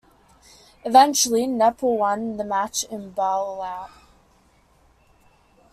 Eventually Nepal won the match in bowl-out.